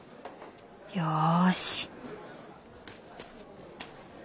よし。